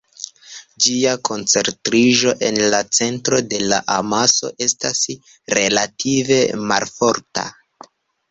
Ĝia koncentriĝo en la centro de la amaso estas relative malforta.